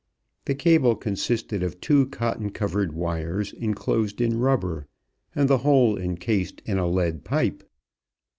The cable consisted of two cotton covered wires inclosed in rubber, and the whole incased in a lead pipe.